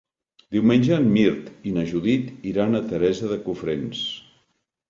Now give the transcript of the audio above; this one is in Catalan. Diumenge en Mirt i na Judit iran a Teresa de Cofrents.